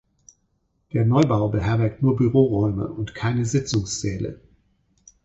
Der Neubau beherbergt nur Büroräume und keine Sitzungssäle.